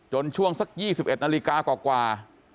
ช่วงสัก๒๑นาฬิกากว่า